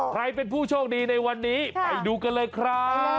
ใครเป็นผู้โชคดีในวันนี้ไปดูกันเลยครับ